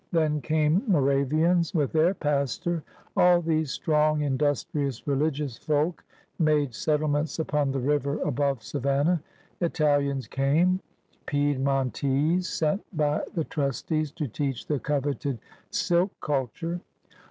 Then came Moravians with their pastor. All these strong, industrious, religious folk made settlements upon the river above Savannah. Ital ians came, Piedmontese sent by the trustees to teach the coveted silk cultiu'e.